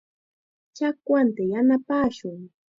Chakwanta yanapashun.